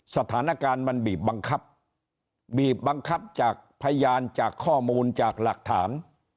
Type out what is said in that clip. สถานการณ์มันบีบบังคับบีบบังคับจากพยานจากข้อมูลจากหลักฐาน